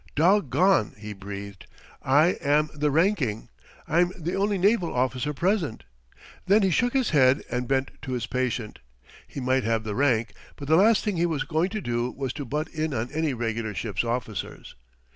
"Doggone!" he breathed. "I am the ranking I'm the only naval officer present." Then he shook his head and bent to his patient. He might have the rank, but the last thing he was going to do was to butt in on any regular ship's officers.